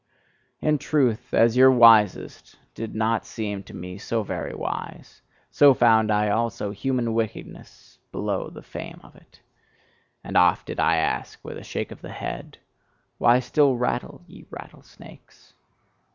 In truth, as your wisest did not seem to me so very wise, so found I also human wickedness below the fame of it. And oft did I ask with a shake of the head: Why still rattle, ye rattle snakes?